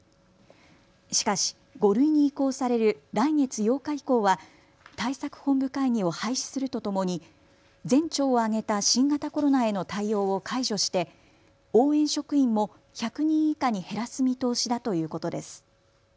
しかし５類に移行される来月８日以降は対策本部会議を廃止するとともに全庁を挙げた新型コロナへの対応を解除して応援職員も１００人以下に減らす見通しだということです。